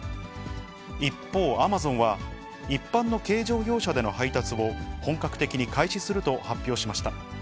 一方、Ａｍａｚｏｎは、一般の軽乗用車での配達を本格的に開始すると発表しました。